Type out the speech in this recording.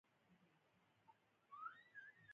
ولس یې ایجاد کړی او غوره کړی دی.